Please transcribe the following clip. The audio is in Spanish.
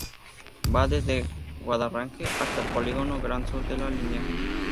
Va desde Guadarranque hasta el Polígono Gran Sur de La Línea.